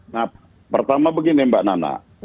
nah pertama begini mbak nana